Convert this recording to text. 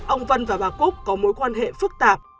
ông vân và bà cúc có mối quan hệ phức tạp